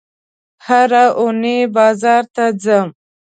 هره اونۍ بازار ته ځم